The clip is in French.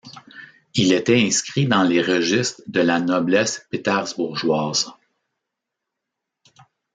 Il était inscrit dans les registres de la noblesse pétersbourgeoise.